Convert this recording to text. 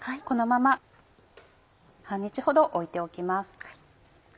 このまま半日ほど置いておきます。